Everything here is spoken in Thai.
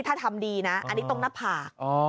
ถ้าทำดีนะอันนี้ตรงหน้าผาก